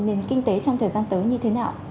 nền kinh tế trong thời gian tới như thế nào